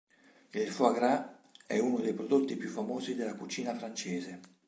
Il "foie gras" è uno dei prodotti più famosi della cucina francese.